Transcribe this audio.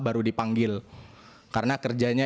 baru dipanggil karena kerjanya